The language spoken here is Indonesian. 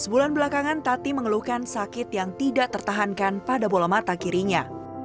sebulan belakangan tati mengeluhkan sakit yang tidak tertahankan pada bola mata kirinya